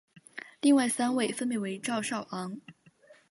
另外三位分别为赵少昂。